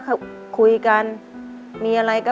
ขอเพียงคุณสามารถที่จะเอ่ยเอื้อนนะครับ